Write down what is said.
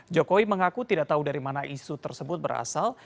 jokowi mengaku tidak tahu dari mana isu tersebut berasal